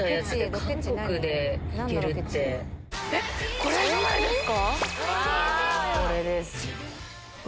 これじゃないですか？